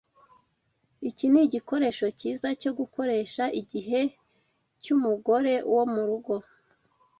Iki nigikoresho cyiza cyo gukoresha igihe cyumugore wo murugo.